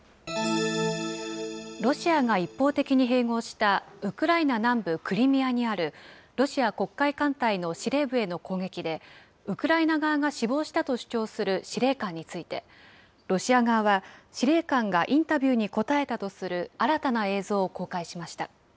ロシアが一方的に併合したウクライナ南部クリミアにあるロシア黒海艦隊の司令部への攻撃で、ウクライナ側が死亡したと主張する司令官について、ロシア側は司令官がインタビューに答えたとする新たな映像を公開しました。